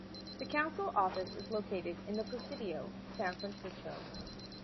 The Council office is located in The Presidio, San Francisco.